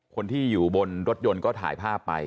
คนที่อยู่บนรถยนต์ก็ถ่ายภาพไป